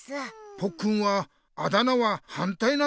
ポッくんはあだ名ははんたいなんだね。